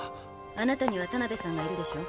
あなたにはタナベさんがいるでしょ。